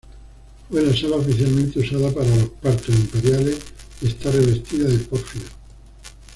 Fue la sala oficialmente usada para los partos imperiales y está revestida de pórfido.